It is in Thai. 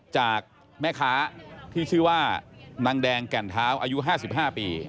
จากแม่ค้าที่ชื่อว่านางแดงแก่นเท้าอายุ๕๕ปี